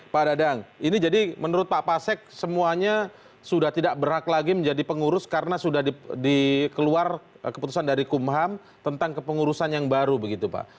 pak dadang ini jadi menurut pak pasek semuanya sudah tidak berhak lagi menjadi pengurus karena sudah dikeluar keputusan dari kumham tentang kepengurusan yang baru begitu pak